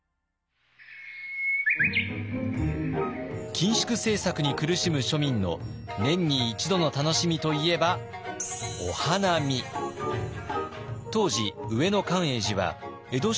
緊縮政策に苦しむ庶民の年に一度の楽しみといえば当時上野寛永寺は江戸庶民が集まる桜の名所でした。